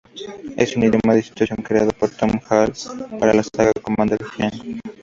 Es un idioma de sustitución creado por Tom Hall para la saga "Commander Keen".